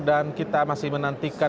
dan kita masih menantikan